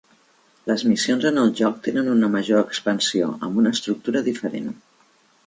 Les missions en el joc tenen una major expansió, amb una estructura diferent.